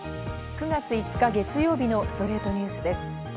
９月５日、月曜日の『ストレイトニュース』です。